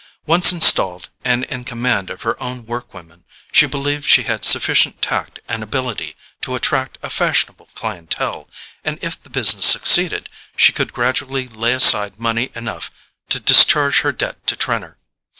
Once installed, and in command of her own work women, she believed she had sufficient tact and ability to attract a fashionable CLIENTELE; and if the business succeeded she could gradually lay aside money enough to discharge her debt to Trenor.